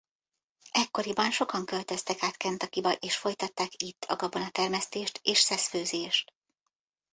Ekkoriban sokan költöztek át Kentuckyba és folytatták itt a gabonatermesztést és szeszfőzést.